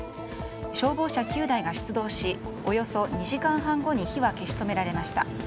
消防車９台が出動しおよそ２時間半後に火は消し止められました。